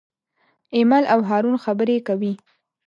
ایمل او هارون خبرې کوي.